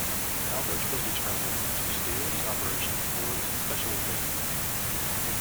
Albert was determined to steer the operation towards specialization.